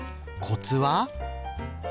コツは？